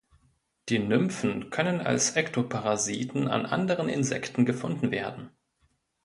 Die Nymphen können als Ektoparasiten an anderen Insekten gefunden werden.